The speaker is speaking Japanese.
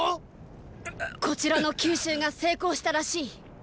こちらの急襲が成功したらしい！